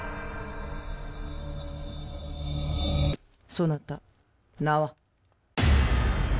そなた名は？